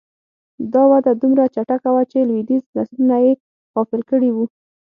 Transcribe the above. دا وده دومره چټکه وه چې لوېدیځ نسلونه یې غافل کړي وو